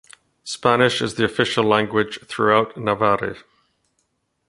Spanish is the official language throughout Navarre.